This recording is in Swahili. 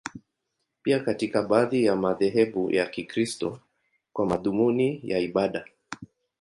Pia katika baadhi ya madhehebu ya Kikristo, kwa madhumuni ya ibada.